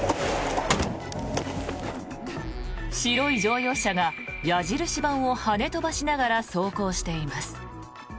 白い乗用車が矢印版を跳ね飛ばしながら走行しています。